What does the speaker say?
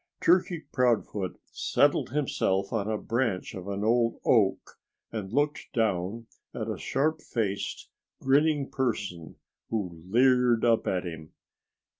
Turkey Proudfoot settled himself on a branch of an old oak and looked down at a sharp faced, grinning person who leered up at him.